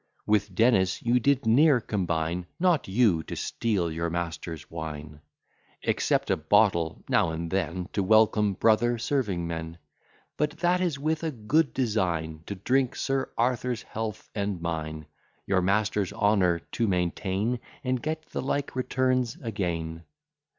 With Dennis you did ne'er combine, Not you, to steal your master's wine, Except a bottle now and then, To welcome brother serving men; But that is with a good design, To drink Sir Arthur's health and mine, Your master's honour to maintain: And get the like returns again.